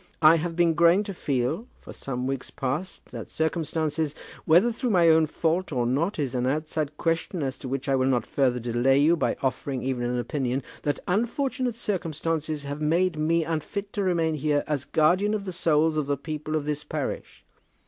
I have been growing to feel, for some weeks past, that circumstances, whether through my own fault or not is an outside question as to which I will not further delay you by offering even an opinion, that unfortunate circumstances have made me unfit to remain here as guardian of the souls of the people of this parish.